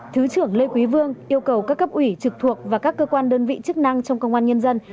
thứ trưởng lê quý vương yêu cầu các cấp ủy trực thuộc và các cơ quan đơn vị chức năng trong công an nhân dân